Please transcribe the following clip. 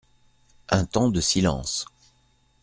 Un temps de silence.